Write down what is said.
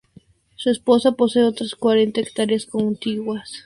Su esposa posee otras cuarenta hectáreas contiguas que su padre le dejó en herencia.